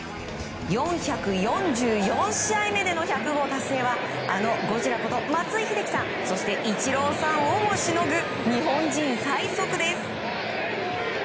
４４４試合目での１００号達成はあのゴジラこと松井秀喜さんそしてイチローさんをもしのぐ日本人最速です。